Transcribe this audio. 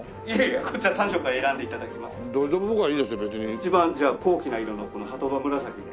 一番じゃあ高貴な色のこの鳩羽紫で。